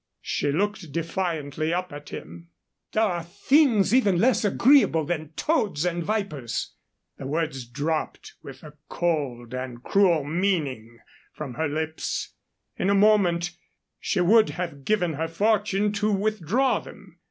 She looked defiantly up at him. "There are things even less agreeable than toads and vipers." The words dropped with cold and cruel meaning from her lips. In a moment she would have given her fortune to withdraw them.